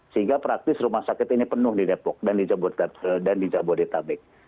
sehingga praktis rumah sakit ini penuh di depok dan di jabodetabek